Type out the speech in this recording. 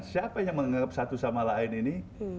siapa yang menganggap satu sama lain ini